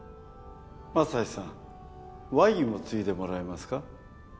匡さんワインをついでもらえますか？